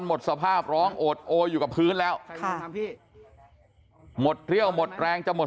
หมดสภาพร้องโอดโออยู่กับพื้นแล้วหมดเรี่ยวหมดแรงจะหมด